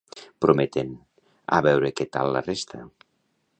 Prometen, a veure què tal la resta.